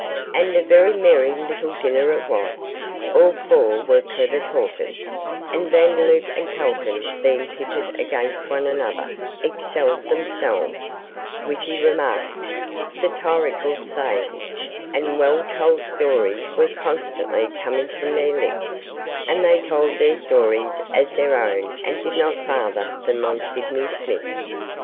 And a very merry little dinner it was. All four were clever talkers, and Vandeloup and Calton being pitted against one another, excelled themselves; witty remarks, satirical sayings, and well told stories were constantly coming from their lips, and they told their stories as their own and did not father them on Sydney Smith.